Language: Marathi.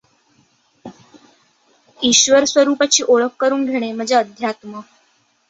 ईश्वरस्वरूपाची ओळख करून घेणे म्हणजे अध्यात्म.